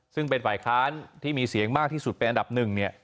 ซึ่งเป็นฝ่ายค้านที่มีเสียงมากที่สุดเป็นอันดับหนึ่งเนี่ย